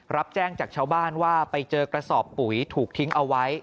รับแจ้งจากชาวบ้านว่าไปเจอกระสอบปุ๋ยถูกทิ้งเอาไว้